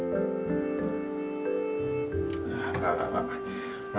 enggak enggak enggak